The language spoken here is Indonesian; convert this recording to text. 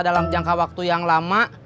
dalam jangka waktu yang lama